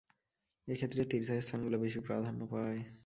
এ ক্ষেত্রে তীর্থস্থানগুলো বেশি প্রাধান্য পায়।